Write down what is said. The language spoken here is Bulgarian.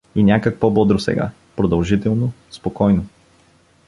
И някак по-бодро сега, продължително, спокойно.